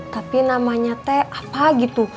tapi namanya teh apa gitu